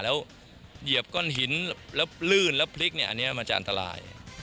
นั่งกินผลไม้ป่า